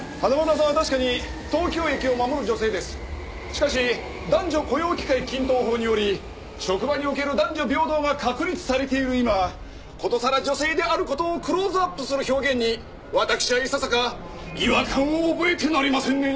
しかし男女雇用機会均等法により職場における男女平等が確立されている今ことさら女性である事をクローズアップする表現に私はいささか違和感を覚えてなりませんね。